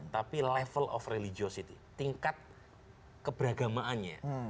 tapi level of religiosity tingkat keberagamaannya